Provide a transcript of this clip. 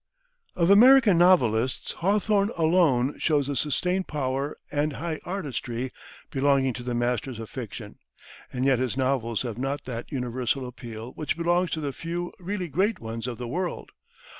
Of American novelists, Hawthorne alone shows that sustained power and high artistry belonging to the masters of fiction; and yet his novels have not that universal appeal which belongs to the few really great ones of the world.